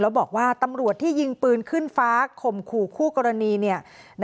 แล้วบอกว่าตำรวจที่ยิงปืนขึ้นฟ้าข่มขู่คู่กรณี